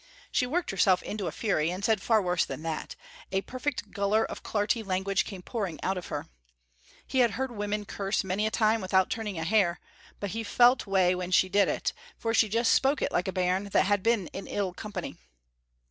She worked herself into a fury, and said far worse than that; a perfect guller of clarty language came pouring out of her. He had heard women curse many a time without turning a hair, but he felt wae when she did it, for she just spoke it like a bairn that had been in ill company.